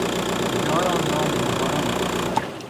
یاراں نال بہاراں